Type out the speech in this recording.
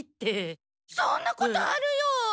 そんなことあるよ！